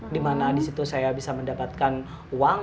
dimana disitu saya bisa mendapatkan uang